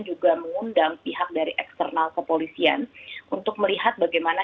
juga mengundang pihak dari eksternal kepolisian untuk melihat bagaimana